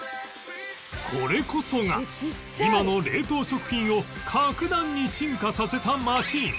これこそが今の冷凍食品を格段に進化させたマシン